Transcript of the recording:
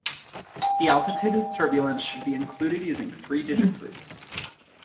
The altitude of the turbulence should be included using three-digit groups.